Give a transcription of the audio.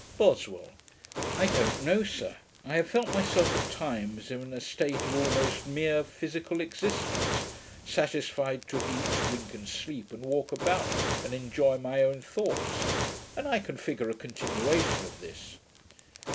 BOSWELL. 'I don't know, sir; I have felt myself at times in a state of almost mere physical existence, satisfied to eat, drink, and sleep, and walk about, and enjoy my own thoughts; and I can figure a continuation of this.'